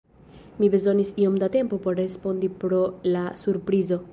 Mi bezonis iom da tempo por respondi pro la surprizo.